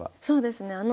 そうですね